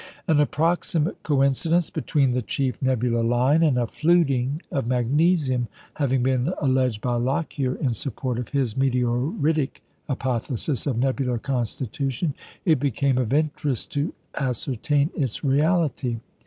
An approximate coincidence between the chief nebular line and a "fluting" of magnesium having been alleged by Lockyer in support of his meteoritic hypothesis of nebular constitution, it became of interest to ascertain its reality.